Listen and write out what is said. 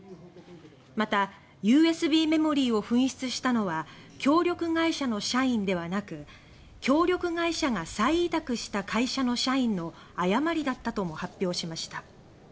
またＵＳＢメモリーを紛失したのは協力会社の社員ではなく協力会社が再委託した会社の社員の誤りだったとも発表しました。